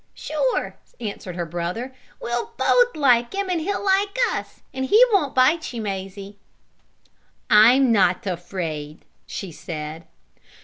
"Sure!" answered her brother. "We'll both like him and he'll like us, and he won't bite you, Mazie." "I'm not afraid," she said.